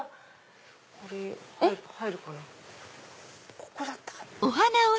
ここだったかな。